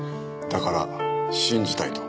だから信じたいと？